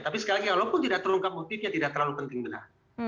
tapi sekali lagi walaupun tidak terungkap motifnya tidak terlalu penting benar